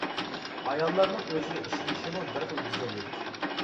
ئاياللارنىڭ ئۆزىگە ئىشىنىشىمۇ بىر خىل گۈزەللىك.